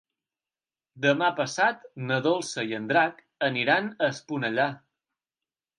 Demà passat na Dolça i en Drac aniran a Esponellà.